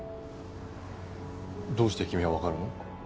どうして君はわかるの？